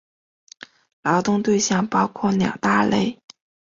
劳动对象包括两大类。